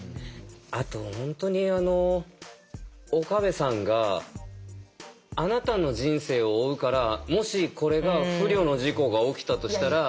あと本当にあの岡部さんが「あなたの人生を負うからもしこれが不慮の事故が起きたとしたら」。